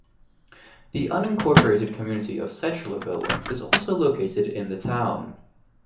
The unincorporated community of Sechlerville is also located in the town.